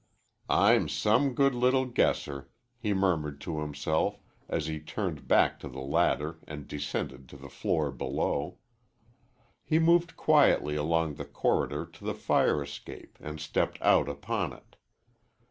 "I'm some good little guesser," he murmured to himself as he turned back to the ladder and descended to the floor below. He moved quietly along the corridor to the fire escape and stepped out upon it.